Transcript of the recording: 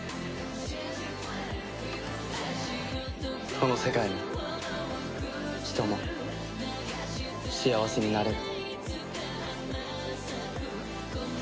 この世界も人も幸せになれる。